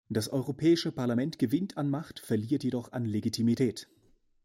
Das Europäische Parlament gewinnt an Macht, verliert jedoch an Legitimität.